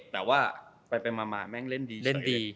แต่ว่าไปมาแม่งเล่นดีเล่นดี